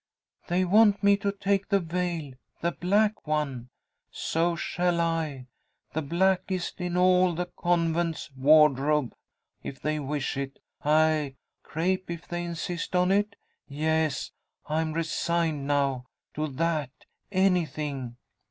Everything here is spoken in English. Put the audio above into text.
"They want me to take the veil the black one! So shall I; the blackest in all the convent's wardrobe if they wish it aye, crape if they insist on it? Yes, I am resigned now to that anything.